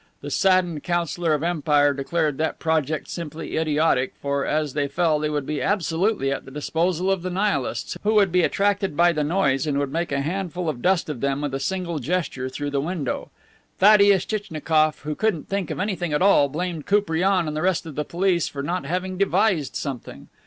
The saddened Councilor of Empire declared that project simply idiotic, for as they fell they would be absolutely at the disposal of the Nihilists, who would be attracted by the noise and would make a handful of dust of them with a single gesture through the window. Thaddeus Tchitchnikoff, who couldn't think of anything at all, blamed Koupriane and the rest of the police for not having devised something.